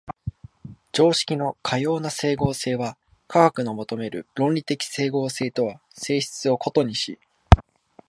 常識のかような斉合性は科学の求める論理的斉合性とは性質を異にし、